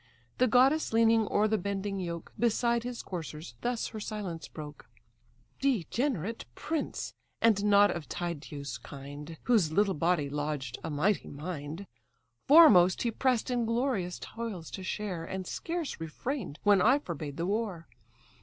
The goddess leaning o'er the bending yoke, Beside his coursers, thus her silence broke: "Degenerate prince! and not of Tydeus' kind, Whose little body lodged a mighty mind; Foremost he press'd in glorious toils to share, And scarce refrain'd when I forbade the war.